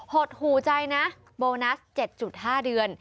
หดหูใจนะโบนัส๗๕เดือน